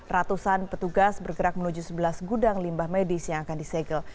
ratusan petugas bergerak menuju sebelas gudang limbah medis yang akan disegel